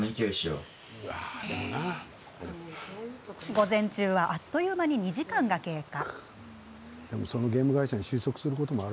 午前中は、あっという間に２時間が経過。